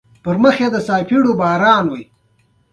لیکوال د ورځپاڼې پاڼې ژر ژر واړولې او راواړولې.